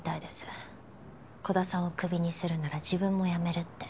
鼓田さんをクビにするなら自分も辞めるって。